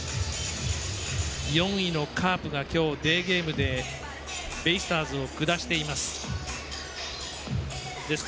４位のカープがデーゲームでベイスターズを下しています。